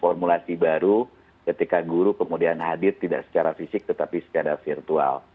formulasi baru ketika guru kemudian hadir tidak secara fisik tetapi secara virtual